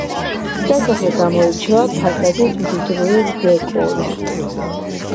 სასახლე გამოირჩევა ფასადის მდიდრული დეკორით.